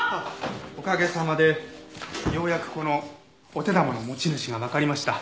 おかげさまでようやくこのお手玉の持ち主がわかりました。